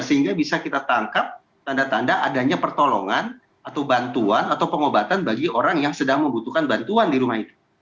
sehingga bisa kita tangkap tanda tanda adanya pertolongan atau bantuan atau pengobatan bagi orang yang sedang membutuhkan bantuan di rumah itu